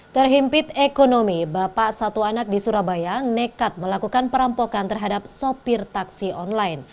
terhimpit ekonomi bapak satu anak di surabaya nekat melakukan perampokan terhadap sopir taksi online